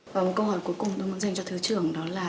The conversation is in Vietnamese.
và một câu hỏi cuối cùng tôi muốn dành cho thứ trưởng đó là